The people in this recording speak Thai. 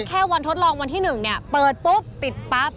แค่วันทดลองวันที่๑เนี่ยเปิดปุ๊บปิดปั๊บ